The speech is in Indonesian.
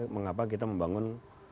mengapa kita membangun